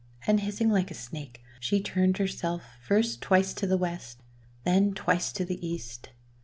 And hissing like a snake, she turned herself first twice to the west, then twice to the east.